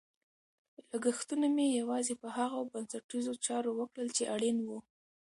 لګښتونه مې یوازې په هغو بنسټیزو چارو وکړل چې اړین وو.